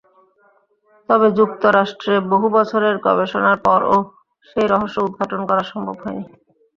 তবে যুক্তরাষ্ট্রে বহু বছরের গবেষণার পরও সেই রহস্য উদ্ঘাটন করা সম্ভব হয়নি।